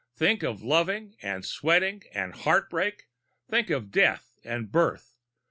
Think of loving and sweat and heartbreak! Think of death and birth!